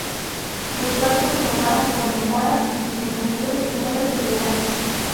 Los cuerpos se formaron con demoras y disminuidos en número de integrantes.